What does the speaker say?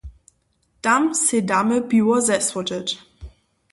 Tam sej damy piwo zesłodźeć.